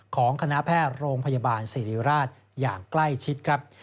ของคณะแพทย์โรงพยาบาลศิริราชอย่างใกล้ชิดครับ